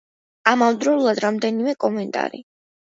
ამავდროულად რამდენიმე კომენტარი.